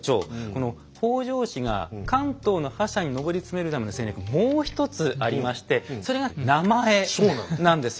この北条氏が関東の覇者に上り詰めるための戦略もう一つありましてそれが「名前」なんですよ。